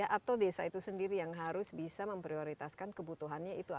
atau desa itu sendiri yang harus bisa memprioritaskan kebutuhannya itu apa